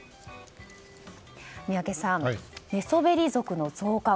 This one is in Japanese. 宮家さん、寝そべり族の増加。